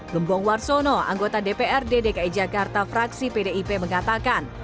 gembong warsono anggota dprd dki jakarta fraksi pdip mengatakan